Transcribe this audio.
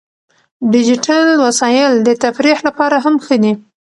ډیجیټل وسایل د تفریح لپاره هم ښه دي.